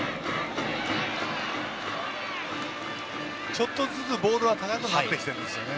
ちょっとずつボールが高くなってきていますね。